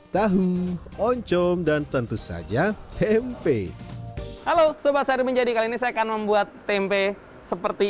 tahu oncom dan tentu saja tempe halo sobat sehari menjadi kali ini saya akan membuat tempe seperti